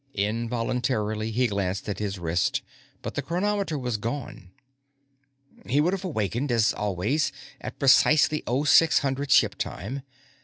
Involuntarily, he glanced at his wrist, but the chronometer was gone. He would have awakened, as always, at precisely 0600 ship time.